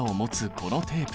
このテープ。